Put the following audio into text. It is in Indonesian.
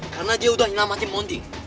karena dia udah nyelamatin mondi